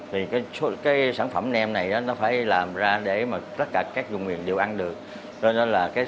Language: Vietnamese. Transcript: thì cái sản phẩm nêm này nó phải làm ra để mà tất cả các vùng miền đều ăn được nên đó là cái